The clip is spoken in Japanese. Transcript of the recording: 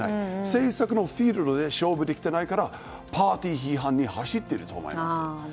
政策のフィールドで勝負できていないからパーティー批判に走っているんだと思います。